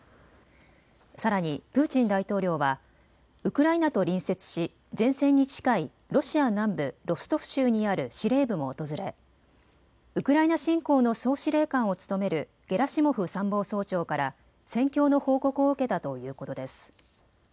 さらにプーチン大統領はウクライナと隣接し前線に近いロシア南部ロストフ州にある司令部も訪れウクライナ侵攻の総司令官を務めるゲラシモフ参謀総長から戦況の報告を受けたということです。